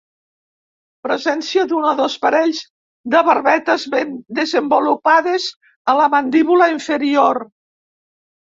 Presència d'un o dos parells de barbetes ben desenvolupades a la mandíbula inferior.